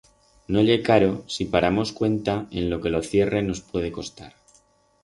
No ye caro si paramos cuenta en lo que lo cierre nos puede costar.